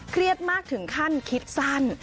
เครียดมากถึงขั้นคิดสั้น